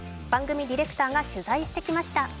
番組ディレクターが取材してきました。